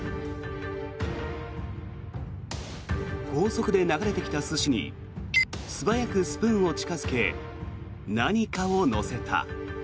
高速で流れてきた寿司に素早くスプーンを近付け何かを乗せた。